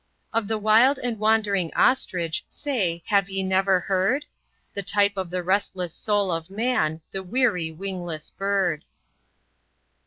Of the wild and wandering Ostrich, say, have ye never heard? The type of the restless soul of man, the weary, wingless bird.